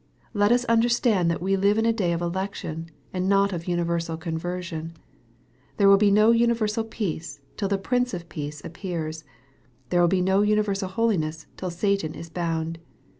Let us understand that we live in a day of election, and not of universal conversion. There will be no universal peace till the Prince of Peace appears. There will be no universal holiness till Satan is bound.